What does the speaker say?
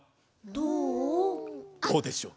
どうでしょう？